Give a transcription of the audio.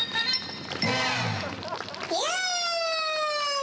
イエイ！